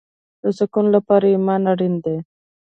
د سکون لپاره ایمان اړین دی